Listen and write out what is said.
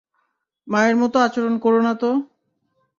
মায়ের মতো আচরণ করো না তো।